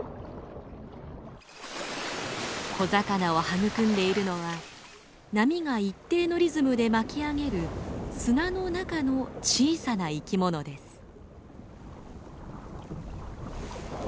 小魚を育んでいるのは波が一定のリズムで巻き上げる砂の中の小さな生き物です。